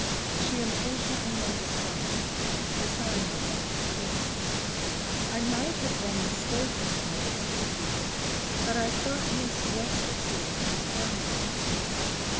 She impatiently made a sign. The sign was understood. "I might have been mistaken," the maid repeated "but I thought Miss Westerfield was crying."